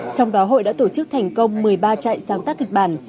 trong đó hội đã tổ chức thành công một mươi ba trại sáng tác kịch bản